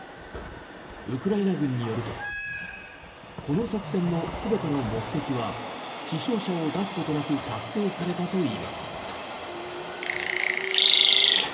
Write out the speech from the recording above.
ウクライナ軍によるとこの作戦の全ての目的は死傷者を出すことなく達成されたといいます。